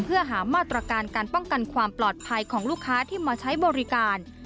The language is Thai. เพื่อหามาตรการการป้องกันความปลอดภัยของลูกค้าที่มาใช้บริการ